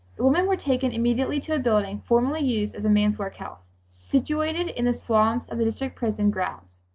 The women were taken immediately to a building, formerly used as a man's workhouse, situated in the swamps of the District prison grounds.